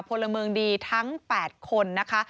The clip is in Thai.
พลเมืองดีทั้ง๘คนนะคะ